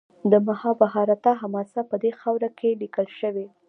د مهابهاراتا حماسه په دې خاوره کې لیکل شوې.